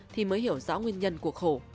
thì mới hiểu rõ nguyên nhân của khổ